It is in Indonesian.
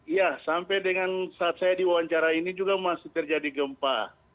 ya sampai dengan saat saya diwawancara ini juga masih terjadi gempa